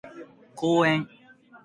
公園